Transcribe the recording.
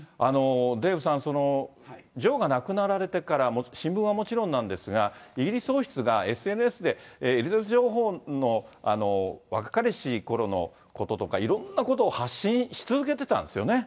デーブさん、女王が亡くなられてから新聞はもちろんなんですが、イギリス王室がＳＮＳで、エリザベス女王の若かりしころのこととか、いろんなことを発信し続けてたんですよね。